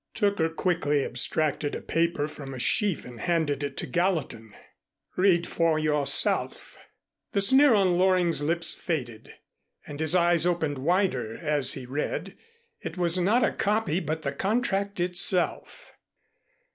Tooker quickly abstracted a paper from a sheaf and handed it to Gallatin. "Read for yourself." The sneer on Loring's lips faded, and his eyes opened wider as he read. It was not a copy, but the contract itself.